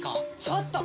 ちょっと！